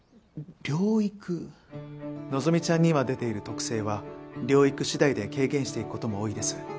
希ちゃんに今出ている特性は療育次第で軽減していく事も多いです。